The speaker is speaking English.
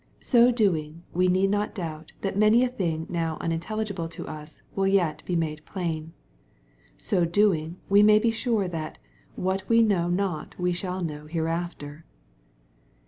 So doing, we need not doubt that many a thing now unintelligible to us will yet be made plain. So doing, we may be sure that " what we know not now we shall know hereafter."